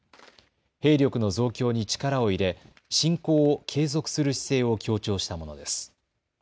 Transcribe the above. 兵力の増強に力を入れ侵攻を継続する姿勢を強調したものです。